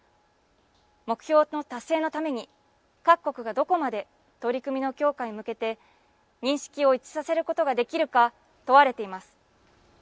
目標の達成のために各国がどこまで取り組みの強化に向けて認識を一致させることができるか問われています。